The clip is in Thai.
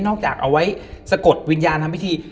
จากเอาไว้สะกดวิญญาณทำพิธี